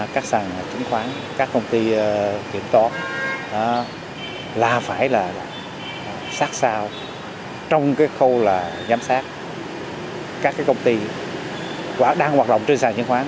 các sàn chứng khoán các công ty kiểm toán là phải là sát sao trong khâu giám sát các công ty đang hoạt động trên sàn chứng khoán